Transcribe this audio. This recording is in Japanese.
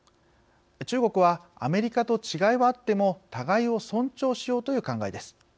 中国はアメリカと違いはあっても互いを尊重しようという考えです。